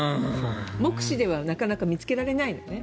目視ではなかなか見つけられないのね。